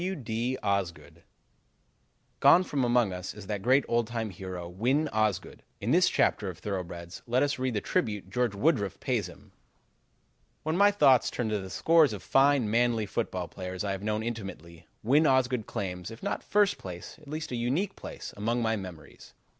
W. D. Osgood Gone from among us is that great old time hero, Win Osgood. In this chapter of thoroughbreds, let us read the tribute George Woodruff pays him: "When my thoughts turn to the scores of fine, manly football players I have known intimately, Win Osgood claims, if not first place, at least a unique place, among my memories.